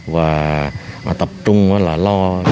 và tập trung là lo